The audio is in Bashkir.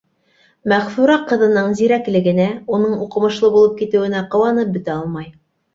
Мәғфүрә ҡыҙының зирәклегенә, уның уҡымышлы булып китеүенә ҡыуанып бөтә алмай.